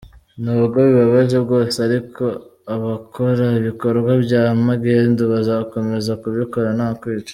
nubwo bibabaje bwose ariko abakora ibikorwa bya magendu bazakomeza kubikora no kwica".